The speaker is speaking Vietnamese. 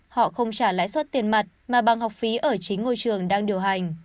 họ không trả lãi suất tiền mặt mà bằng học phí ở chính ngôi trường đang điều hành